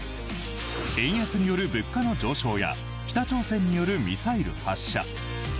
円安による物価の上昇や北朝鮮によるミサイル発射。